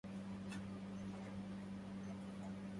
أنا أكتب كل شئ؛ فأنا أشعر بالإرتباك من دون المفكرة.